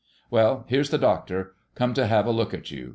Well, here's the doctor, come to have a look at you.